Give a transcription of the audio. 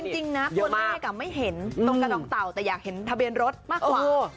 จริงนะคนแรกไม่เห็นตรงกระดองเต่าแต่อยากเห็นทะเบียนรถมากกว่า